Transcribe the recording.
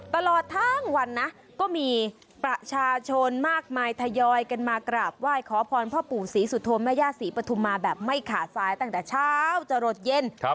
ตลอดทั้งวันนะก็มีประชาชนมากมายทยอยกันมากราบไหว้ขอพรพ่อปู่ศรีสุโธแม่ย่าศรีปฐุมาแบบไม่ขาดซ้ายตั้งแต่เช้าจะหลดเย็น